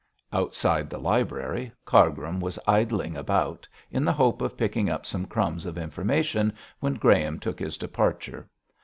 Outside the library Cargrim was idling about, in the hope of picking up some crumbs of information, when Graham took his departure.